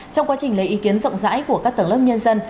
trong quá trình lấy ý kiến rộng rãi của các tầng lớp nhân dân